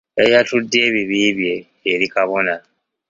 Yayatudde ebibi bye eri kabona.